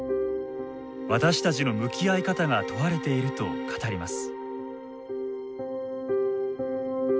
私たちの向き合い方が問われていると語ります。